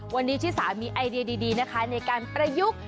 วันนี้ชิสามีไอเดียดีนะคะในการประยุกต์